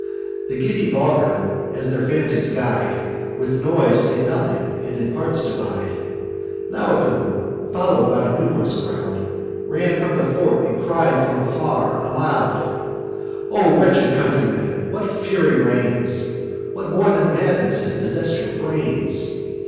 The giddy vulgar, as their fancies guide, With noise say nothing, and in parts divide. Laocoon, follow'd by a num'rous crowd, Ran from the fort, and cried, from far, aloud: 'O wretched countrymen! what fury reigns? What more than madness has possess'd your brains?